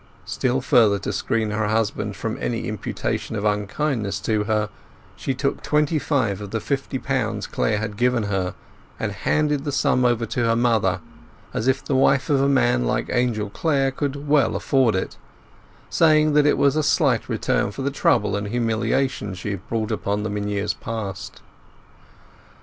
Still further to screen her husband from any imputation of unkindness to her, she took twenty five of the fifty pounds Clare had given her, and handed the sum over to her mother, as if the wife of a man like Angel Clare could well afford it, saying that it was a slight return for the trouble and humiliation she had brought upon them in years past.